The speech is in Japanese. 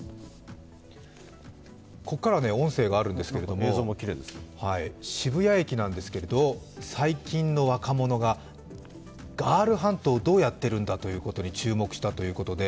ここからは音声があるんですけれども、渋谷駅なんですけど最近の若者がガールハントをどうやってるんだということに注目したということで。